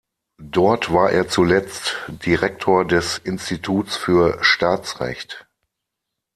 Dort war er zuletzt Direktor des Instituts für Staatsrecht.